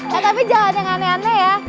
ya tapi jangan yang aneh aneh ya